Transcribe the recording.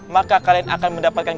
maka kalian akan mendapatkan